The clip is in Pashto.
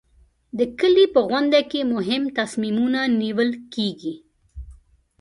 د کلي په غونډه کې مهم تصمیمونه نیول کېږي.